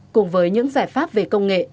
cùng với những giải pháp về công nghệ